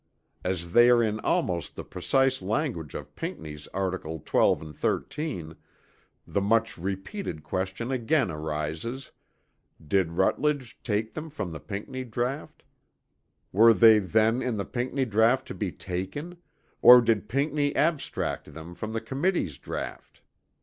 As they are in almost the precise language of Pinckney's articles 12 and 13 the much repeated question again arises, did Rutledge take them from the Pinckney draught; were they then in the Pinckney draught to be taken; or did Pinckney abstract them from the Committee's draught?